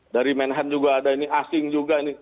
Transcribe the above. dari menhan juga ada ini asing juga ini